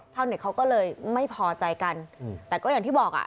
ชาวเน็ตเขาก็เลยไม่พอใจกันแต่ก็อย่างที่บอกอ่ะ